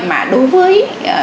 mà đối với